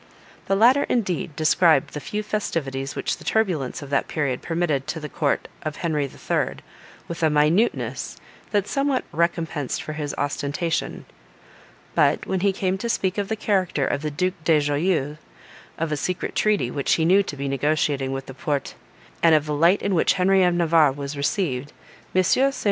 The latter, indeed, described the few festivities which the turbulence of that period permitted to the court of Henry the Third, with a minuteness, that somewhat recompensed for his ostentation; but, when he came to speak of the character of the Duke de Joyeuse, of a secret treaty, which he knew to be negotiating with the Porte, and of the light in which Henry of Navarre was received, M. St.